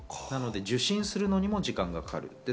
受診するのにも時間がかかる。